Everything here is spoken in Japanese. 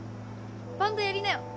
バンドやりなよ！